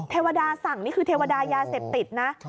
เทวดาสั่งนี่คือเทวดายาเสพติดนะ